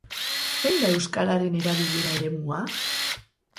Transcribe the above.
Zein da euskararen erabilera eremua?